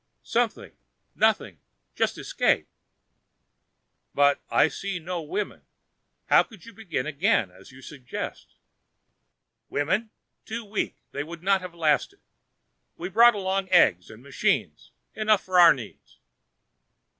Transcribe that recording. "Something. Nothing. Just escape " "But I see no women how could you begin again, as you suggest?" "Women? Too weak; they would not have lasted. We brought along eggs and machines enough for our needs."